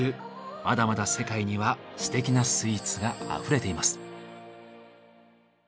まだまだ世界にはすてきなスイーツがあふれています。